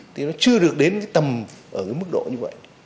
thì nó chưa được đến cái tầm ở cái mức độ như vậy